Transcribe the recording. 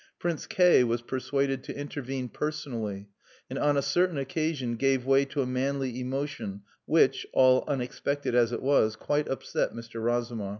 Prince K was persuaded to intervene personally, and on a certain occasion gave way to a manly emotion which, all unexpected as it was, quite upset Mr. Razumov.